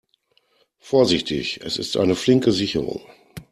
Vorsichtig, es ist eine flinke Sicherung.